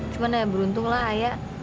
cuma ya beruntung lah ayah